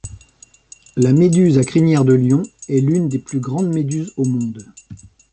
La méduse à crinière de lion est l’une des plus grandes méduses au monde.